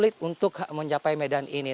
sulit untuk mencapai medan ini